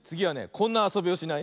こんなあそびをしない？